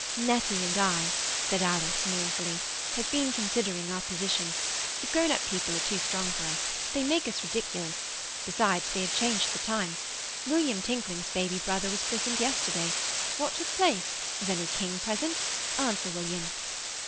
'Nettie and I,' said Alice mournfully, 'have been considering our position. The grown up people are too strong for us. They make us ridiculous. Besides, they have changed the times. William Tinkling's baby brother was christened yesterday. What took place? Was any king present? Answer, William.